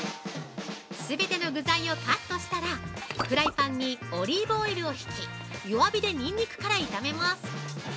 ◆全ての具材をカットしたら、フライパンにオリーブオイルを引き弱火でにんにくから炒めます。